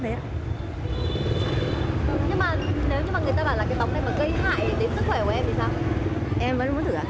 thế bảo là cái bóng này mà gây hại đến sức khỏe của em thì sao